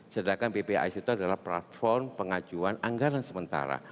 sedangkan ppic itu adalah platform pengajuan anggaran sementara